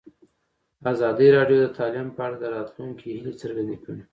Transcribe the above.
ازادي راډیو د تعلیم په اړه د راتلونکي هیلې څرګندې کړې.